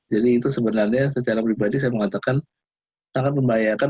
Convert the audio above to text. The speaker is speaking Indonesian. jadi itu sebenarnya secara pribadi saya mengatakan sangat membahayakan